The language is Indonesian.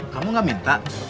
kamu gak minta